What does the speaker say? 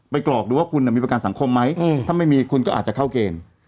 กรอกดูว่าคุณมีประกันสังคมไหมถ้าไม่มีคุณก็อาจจะเข้าเกณฑ์